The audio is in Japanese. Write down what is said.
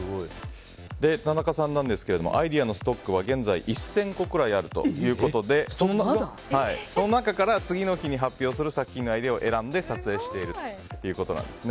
田中さんなんですがアイデアのストックは現在１０００個くらいあるということでその中から次の日に発表する作品のアイデアを撮影しているということです。